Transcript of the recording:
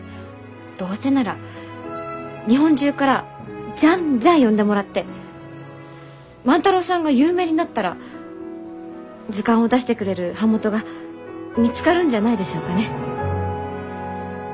どうせなら日本中からジャンジャン呼んでもらって万太郎さんが有名になったら図鑑を出してくれる版元が見つかるんじゃないでしょうかね？